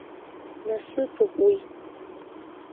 Насыԥуп уи…